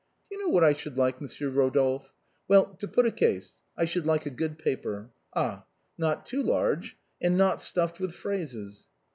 " Do you know what I should like, Monsieur Eodolphe? Well, to put a case. I should like a good paper. Ah! not too large and not stuifed with phrases."